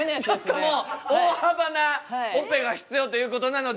ちょっともう大幅なオペが必要ということなので。